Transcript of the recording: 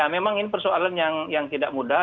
menjauhkan yang tidak mudah